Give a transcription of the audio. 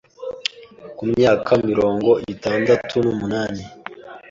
Ku myaka mirongo itandatu numunani